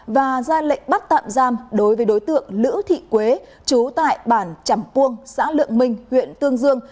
và ra lệnh bắt tạm giam đối với đối tượng lữ thị quế chú tại bản chẳng puông xã lượng minh huyện tương dương